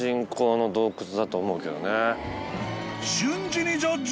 ［瞬時にジャッジ！